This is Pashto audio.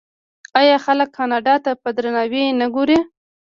آیا خلک کاناډا ته په درناوي نه ګوري؟